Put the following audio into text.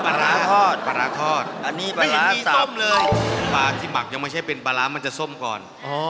ปลาร้าทอดปลาร้าทอดอันนี้ปลาร้าปลาที่หมักยังไม่ใช่เป็นปลาร้ามันจะส้มก่อน